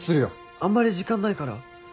あんまり時間ないから急ごう。